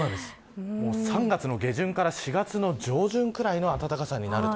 ３月の下旬から４月の上旬くらいの暖かさになります。